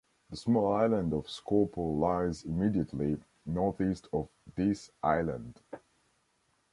The small island of Skorpo lies immediately northeast of this island.